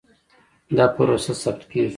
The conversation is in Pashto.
دا پروسه ثبت کېږي.